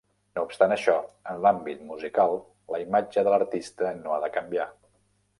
No obstant això, en l'àmbit musical la imatge de l'artista no ha de canviar.